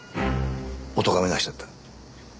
おとがめなしだった？